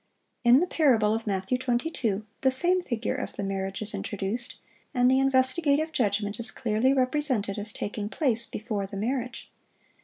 In the parable of Matthew 22 the same figure of the marriage is introduced, and the investigative judgment is clearly represented as taking place before the marriage.